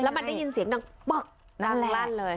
แล้วมันได้ยินเสียงนักปะนั่งลั่นเลย